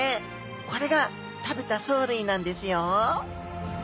これが食べた藻類なんですよ